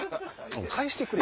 返してくれ！